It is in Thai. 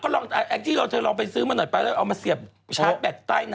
แทนการหลงไปซื้อมันหน่อยไปเอามาเสียบชาร์ตแบดใต้น้ำนะ